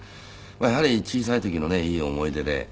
まあやはり小さい時のねいい思い出で。